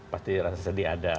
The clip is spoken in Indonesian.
pasti rasa sedih ada